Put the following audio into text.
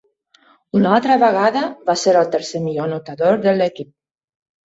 Una altra vegada, va ser el tercer millor anotador de l'equip.